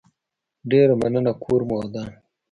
ډيره مننه کور مو ودان